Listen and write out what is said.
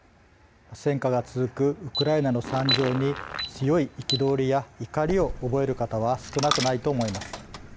戦火が続くウクライナの現状に強い憤りや怒りを覚える方は少なくないと思います。